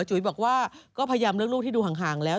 จุ๋ยบอกว่าก็พยายามเลือกลูกที่ดูห่างแล้ว